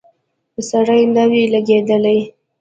سره نه وې لګېدلې.